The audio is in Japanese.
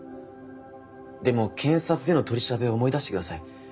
でも検察での取り調べを思い出してください。